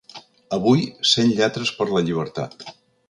Avui, cent lletres per la llibertat.